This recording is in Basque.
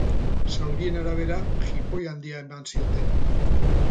Zaurien arabera, jipoi handia eman zioten.